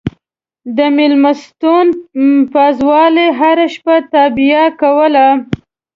د مېلمستون پازوالې هره شپه تابیا کوله.